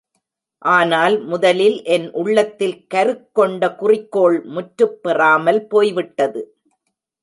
ஆனால் முதலில் என் உள்ளத்தில் கருக்கொண்ட குறிக்கோள் முற்றுப் பெறாமல் போய்விட்டது.